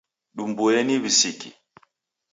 Dumbueni visiki